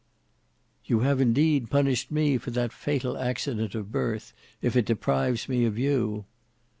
"You have indeed punished me for the fatal accident of birth, if it deprives me of you."